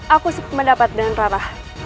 aku sempat mendapatkan rara